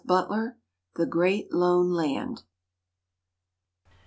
Butler: "The Great Lone Land."